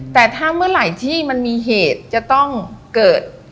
เท่าไรที่มันมีเหตุจะต้องเกิด